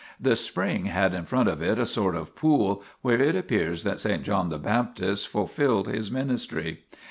The spring had in front of it a sort of pool, where it appears that S. John the Baptist fulfilled his ministry.